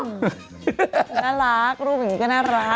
น่ารักรูปอย่างนี้ก็น่ารัก